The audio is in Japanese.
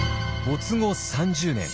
没後３０年。